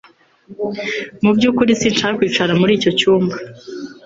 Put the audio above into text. Mu byukuri sinshaka kwicara muri icyo cyumba